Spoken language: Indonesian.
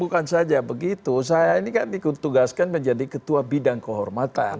bukan saja begitu saya ini kan ditugaskan menjadi ketua bidang kehormatan